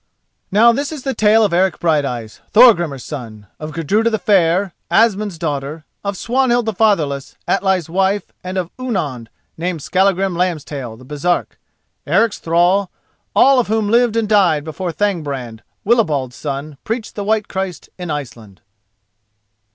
Now this is the tale of Eric Brighteyes, Thorgrimur's son; of Gudruda the Fair, Asmund's daughter; of Swanhild the Fatherless, Atli's wife, and of Ounound, named Skallagrim Lambstail, the Baresark, Eric's thrall, all of whom lived and died before Thangbrand, Wilibald's son, preached the White Christ in Iceland.